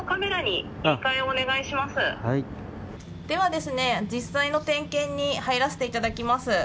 では、実際の点検に入らせていただきます。